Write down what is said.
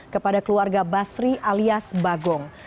kepada keluarga basri alias bagong